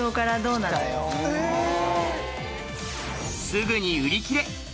すぐに売り切れ。